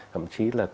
thậm chí là